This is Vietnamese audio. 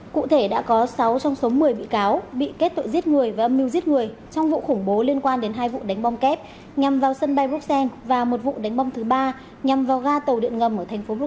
cụ thể đã có sáu trong số một mươi bị cáo bị kết tội giết người và âm mưu giết người trong vụ khủng bố liên quan đến hai vụ đánh bom kép nhằm vào sân bay bruxelles và một vụ đánh bom thứ ba nhằm vào ga tàu điện ngầm ở thành phố brux